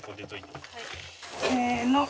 せの！